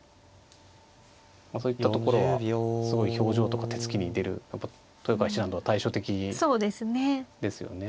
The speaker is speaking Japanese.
そういったところはすごい表情とか手つきに出る豊川七段とは対照的ですよね。